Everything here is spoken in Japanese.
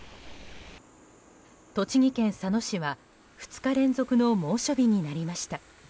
栃木県佐野市は２日連続の猛暑日になりました。